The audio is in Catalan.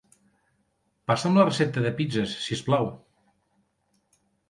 Passa'm la recepta de pizzes, si us plau.